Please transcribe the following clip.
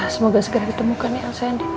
semoga segera ditemukan nih elsa